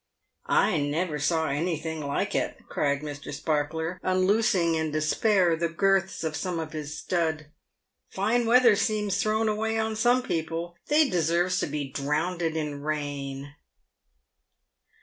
" I never saw anything like it," cried Mr. Sparkler, unloosing, in despair, the girths of some of his stud. " Eine weather seems thrown away on some people. They deserves to be drownded in rain."